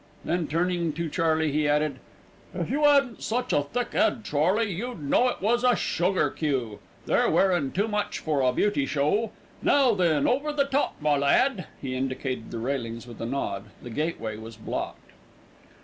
Then, turning to Charley, he added: "If you 'adn't such a thick 'ead, Charley, you'd know it was a sugar queue. They're wearin' too much for a beauty show. Now, then, over the top, my lad." He indicated the railings with a nod, the gateway was blocked.